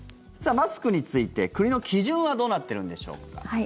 マスクについて国の基準はどうなってるんでしょうか。